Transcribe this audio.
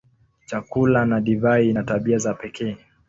Chakula na divai ina tabia za pekee.